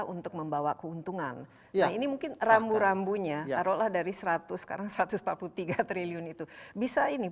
untuk membawa keuntungan ini mungkin rambu rambunya taruhlah dari seratus sekarang satu ratus empat puluh tiga triliun itu bisa ini